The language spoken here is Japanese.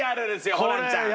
ホランちゃん